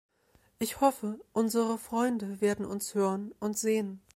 Ich hoffe, unsere Freunde werden uns hören und sehen.